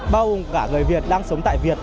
bao gồm cả người việt đang sống tại việt